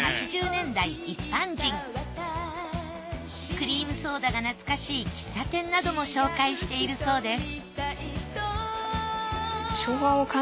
クリームソーダが懐かしい喫茶店なども紹介しているそうです